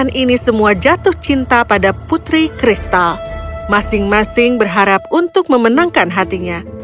dengan ini semua jatuh cinta pada putri kristal masing masing berharap untuk memenangkan hatinya